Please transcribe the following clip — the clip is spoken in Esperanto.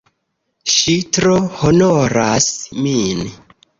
Ŝi tro honoras min!